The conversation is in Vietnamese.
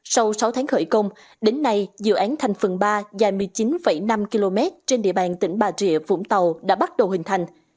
sau sáu tháng khởi công đến nay dự án thành phần ba dài một mươi chín năm km trên địa bàn tỉnh bà rịa vũng tàu đã bắt đầu hình thành